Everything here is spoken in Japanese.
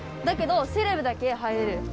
だけどセレブだけ入れる。